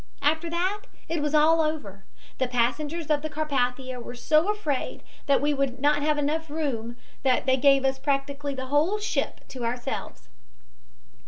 After that it was all over. The passengers of the Carpathia were so afraid that we would not have room enough that they gave us practically the whole ship to ourselves."